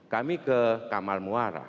kami ke kamal muara